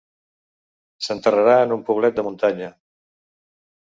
S'enterrarà en un poblet de muntanya.